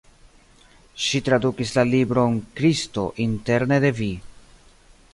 Ŝi tradukis la libron "Kristo interne de vi".